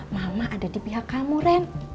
mama ada di pihak kamu ren